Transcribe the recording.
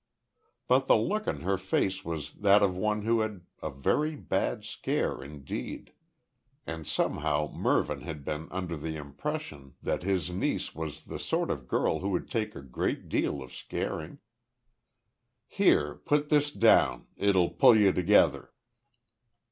But the look on her face was that of one who had had a very bad scare indeed, and somehow Mervyn had been under the impression that his niece was the sort of girl who would take a great deal of scaring. "Here, put this down. It'll pull you together."